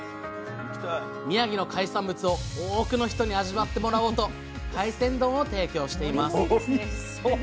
宮城の海産物を多くの人に味わってもらおうと海鮮丼を提供しています